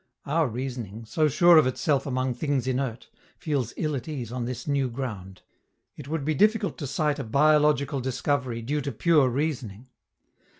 Our reasoning, so sure of itself among things inert, feels ill at ease on this new ground. It would be difficult to cite a biological discovery due to pure reasoning.